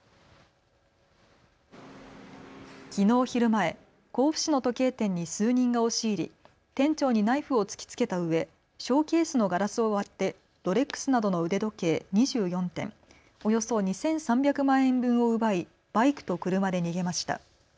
きのう昼前、甲府市の時計店に数人が押し入り店長にナイフを突きつけたうえショーケースのガラスを割ってロレックスなどの腕時計２４点、およそ２３００万円分を奪いバイクと車で逃げました。